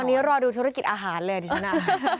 อันนี้รอดูธุรกิจอาหารเลยดิฉันนะ